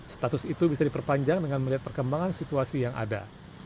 status itu bisa diperpanjang dengan melihat perkembangan situasi yang ada